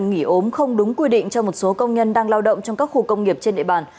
nghỉ ốm không đúng quy định cho một số công nhân đang lao động trong các khu công nghiệp trên địa bàn